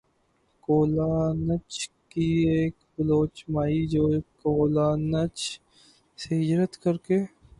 کولانچ کی ایک بلوچ مائی جو کولانچ سے ھجرت کر کے